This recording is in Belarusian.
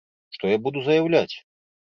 Што я буду заяўляць?